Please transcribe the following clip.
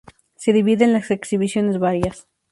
Se divide en las exhibiciones varias.